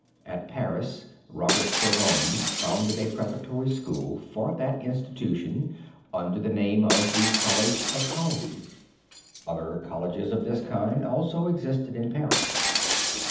At Paris, Robert Sorbonne founded a preparatory school for that institution under the name of the College of Calvi. Other colleges of this kind also existed in Paris.